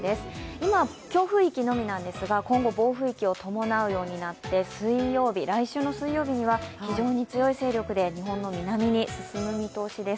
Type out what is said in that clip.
今、強風域のみなんですが、今後暴風域を伴うようになってきて、来週の水曜日には非常に強い勢力で日本の南に進む予定です。